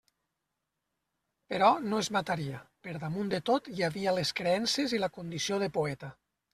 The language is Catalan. Però no es mataria; per damunt de tot hi havia les creences i la condició de poeta.